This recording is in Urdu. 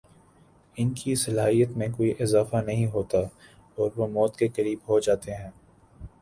ان کی صلاحیت میں کوئی اضافہ نہیں ہوتا اور وہ موت کےقریب ہوجاتے ہیں